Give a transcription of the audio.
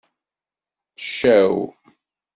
Ccaw.